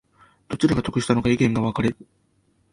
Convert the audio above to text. どちらが得したのか意見が分かれる